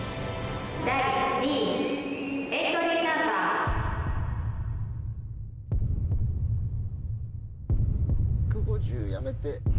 １５０やめて。